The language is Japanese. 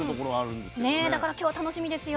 だから今日は楽しみですよ。